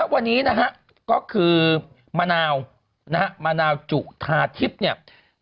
วันนี้นะฮะก็คือมะนาวนะฮะมะนาวจุธาทิพย์เนี่ย